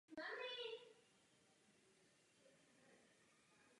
Susanne byla odlišná.